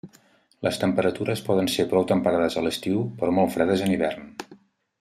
Les temperatures poden ser prou temperades a l'estiu però molt fredes en hivern.